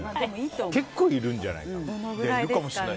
結構いるんじゃないかな。